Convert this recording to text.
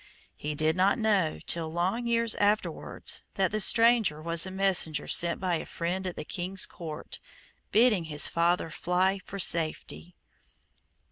He did not know till long years afterwards that the stranger was a messenger sent by a friend at the King's court, bidding his father fly for safety.